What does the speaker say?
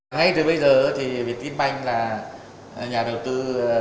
ngay từ bây giờ thì việt tiên banh là nhà đầu tư